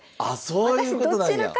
あそういうことなんや。